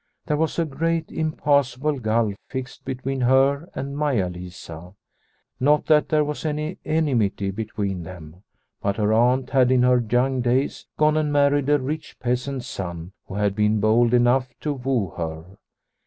There was a great impassable gulf fixed between her and Maia Lisa. Not that there was any enmity between them, but her aunt had in her young days gone and married a rich peasant's son who had been bold enough to woo her.